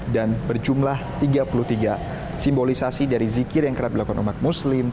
dan berjumlah tiga puluh tiga simbolisasi dari zikir yang kerap dilakukan umat muslim